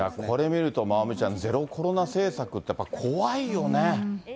これ見ると、まおみちゃん、ゼロコロナ政策ってやっぱり怖いよね。